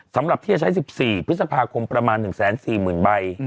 สำหรับที่จะใช้๑๔พฤษภาคมประมาณ๑๔๐๐๐ใบ